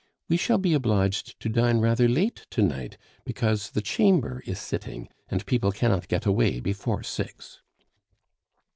We shall be obliged to dine rather late to night, because the Chamber is sitting, and people cannot get away before six."